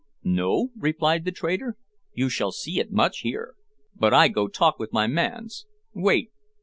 "No?" replied the trader; "you shall see it much here. But I go talk with my mans. Wait."